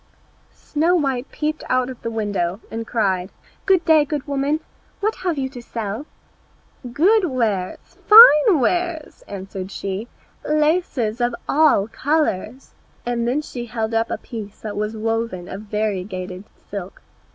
Snow white peeped out of the window and cried, "Good day, good woman, what have you to sell?" "Good wares, fine wares," answered she, "laces of all colours;" and she held up a piece that was woven of variegated silk.